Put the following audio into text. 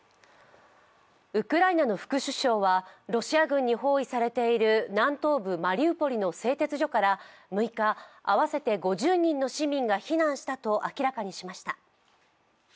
ウクライナの副首相はロシア軍に包囲されている南東部マリウポリの製鉄所から６日、合わせて５０人の市民が避難したと明らかにしました。